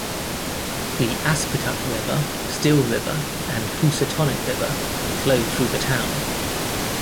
The Aspetuck River, Still River and Housatonic River flow through the town.